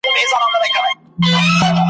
را ته ولي دي ثابته دا متل کئ ؟